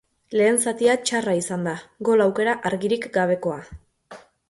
Lehen zatia txarra izan da, gol aukera argirik gabekoa.